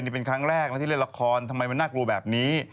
นี่เป็นครั้งแรกแล้วที่เล่นละครทำไมมันน่ากลัวแบบนี้